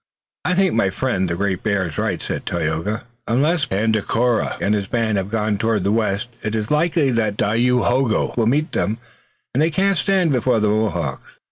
"I think my friend, the Great Bear, is right," said Tayoga. "Unless Tandakora and his band have gone toward the west it is likely that Dayohogo will meet them, and they cannot stand before the Mohawks."